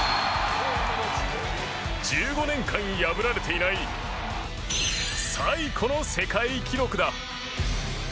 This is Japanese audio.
１５年間破られていない最古の世界記録だ。